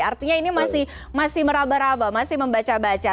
artinya ini masih meraba raba masih membaca baca